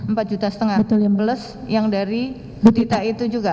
rp empat lima juta plus yang dari butita itu juga